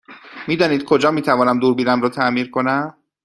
می دانید کجا می تونم دوربینم را تعمیر کنم؟